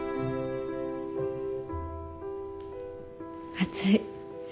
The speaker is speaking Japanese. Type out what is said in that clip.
暑い。